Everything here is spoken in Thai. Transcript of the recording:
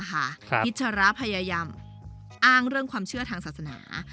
พิชระพยายามอ้างเรื่องความเชื่อทางศาสนา